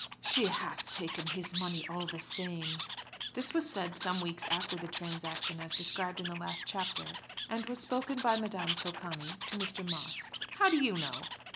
"She has taken his money all the same." This was said some weeks after the transaction as described in the last chapter, and was spoken by Madame Socani to Mr. Moss. "How do you know?"